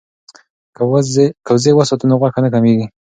که وزې وساتو نو غوښه نه کمیږي.